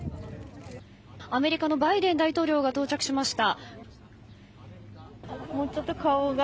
アメリカのバイデン大統領が到着しました。